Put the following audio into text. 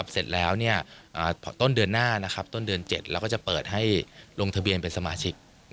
เสร็จแล้วต้นเดือนหน้าต้นเดือน๗เราก็จะเปิดให้ลงทะเบียนเป็นสมาชิก